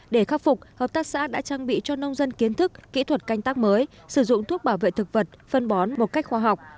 để khắc phục hợp tác xã đã trang bị cho nông dân kiến thức kỹ thuật canh tác mới sử dụng thuốc bảo vệ thực vật phân bón một cách khoa học